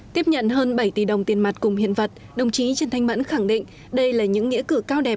tiếp nhận hơn bảy tỷ đồng tiền mặt cùng hiện vật đồng chí trần thanh mẫn khẳng định đây là những nghĩa cử cao đẹp